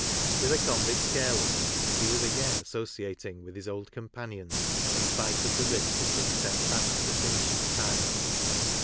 With a convict's carelessness, he was again associating with his old companions in spite of the risk of being sent back to finish his time.